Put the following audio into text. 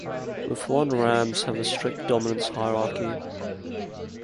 Mouflon rams have a strict dominance hierarchy.